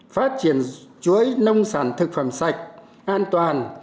phát triển chuỗi nông sản thực phẩm sạch an toàn